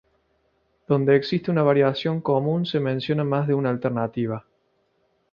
Donde existe una variación común se menciona más de una alternativa.